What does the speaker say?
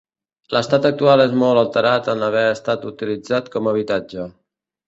L'estat actual és molt alterat en haver estat utilitzat com a habitatge.